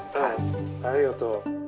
ありがとう。